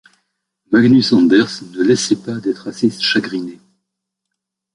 Magnus Anders ne laissait pas d’être assez chagriné.